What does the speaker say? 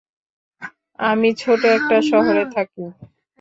আমি ছোট একটা শহরে থাকি।